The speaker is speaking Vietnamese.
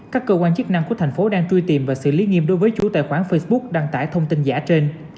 các cơ quan chức năng của thành phố đang truy tìm và xử lý nghiêm đối với chủ tài khoản facebook đăng tải thông tin giả trên